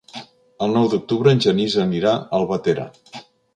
El nou d'octubre en Genís anirà a Albatera.